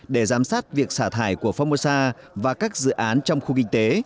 để giám sát việc xả thải của phongmosa và các dự án trong khu kinh tế